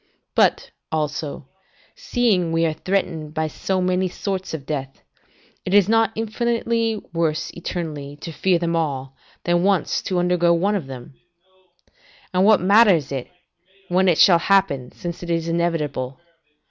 but, also, seeing we are threatened by so many sorts of death, is it not infinitely worse eternally to fear them all, than once to undergo one of them? And what matters it, when it shall happen, since it is inevitable?